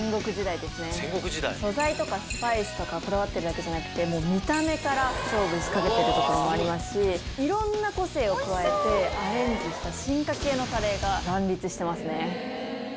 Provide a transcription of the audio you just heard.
素材とかスパイスとかこだわってるだけじゃなくて見た目から勝負仕掛けてるところもありますしいろんな個性を加えてアレンジした。